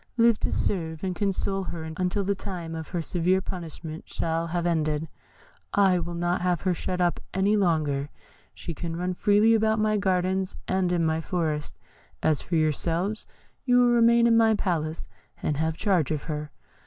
Live to serve and console her until the time of her severe punishment shall have ended. I will not have her shut up any longer; she can run freely about my gardens and in my forest; as for yourselves, you will remain in my palace, and have charge of her.